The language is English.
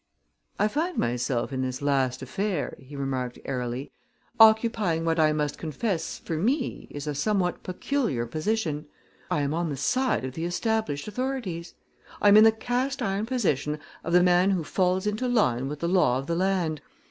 "I find myself in this last affair," he remarked airily, "occupying what I must confess, for me, is a somewhat peculiar position. I am on the side of the established authorities. I am in the cast iron position of the man who falls into line with the law of the land.